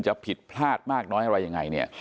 จะผิดพลาดมากน้อยอะไรยังไงเนี่ย